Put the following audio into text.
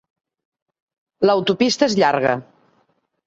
L'autopista és llarga.